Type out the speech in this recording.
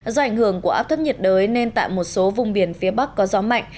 do ảnh hưởng của áp thấp nhiệt đới nên tại một số vùng biển phía bắc có gió mạnh